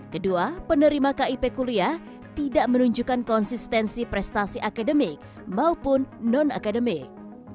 kedua penerima kip kuliah tidak menunjukkan konsistensi prestasi akademik maupun non akademik